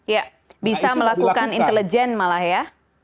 ya bisa melakukan intelijen malah ya